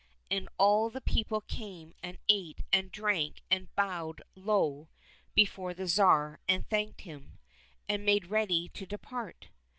And all the people came and ate and drank and bowed low before the Tsar and thanked him, and made ready to depart.